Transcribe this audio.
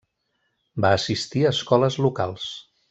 Va assistir a escoles locals.